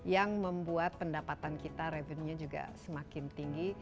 yang membuat pendapatan kita revenue nya juga semakin tinggi